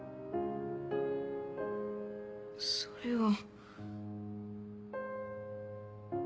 それは。